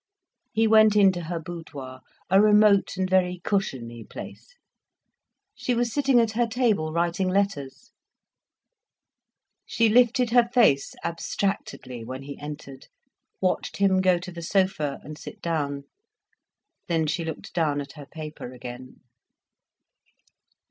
He went into her boudoir, a remote and very cushiony place. She was sitting at her table writing letters. She lifted her face abstractedly when he entered, watched him go to the sofa, and sit down. Then she looked down at her paper again.